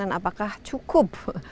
dan apakah cukup